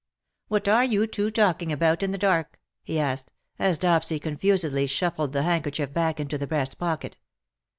" What are you two talking about in the dark ?" he asked, as Dopsy confusedly shuffled the handkerchief back into the breast pocket.